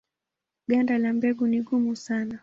Ganda la mbegu ni gumu sana.